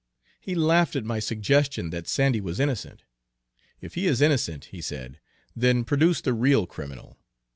He laughed at my suggestion that Sandy was innocent. 'If he is innocent,' he said, 'then produce the real criminal.